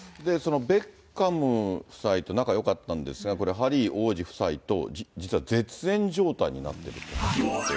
ベッカム夫妻と仲よかったんですが、これ、ハリー王子夫妻と実は絶縁状態になっているということで。